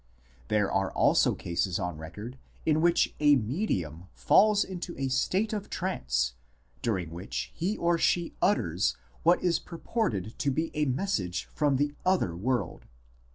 There are also cases on record in which a " medium " falls into a state of trance during which he or she utters what is purported to be a message from the other world.